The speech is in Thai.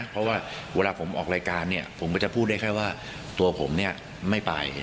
เพราะว่าเวลาผมออกรายการเนี่ยผมก็จะพูดได้แค่ว่าตัวผมเนี่ยไม่ไป